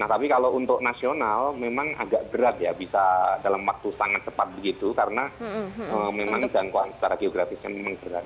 nah tapi kalau untuk nasional memang agak berat ya bisa dalam waktu sangat cepat begitu karena memang jangkauan secara geografisnya memang berat